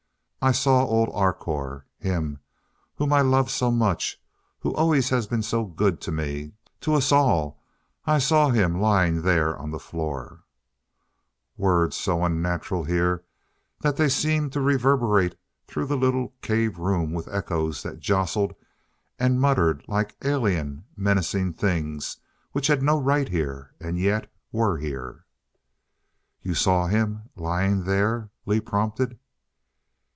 "Oh I saw old Arkoh him whom I love so much who always has been so good to me to us all I saw him lying there on the floor "Words so unnatural here that they seemed to reverberate through the little cave room with echoes that jostled and muttered like alien, menacing things which had no right here and yet, were here. "You saw him lying there?" Lee prompted.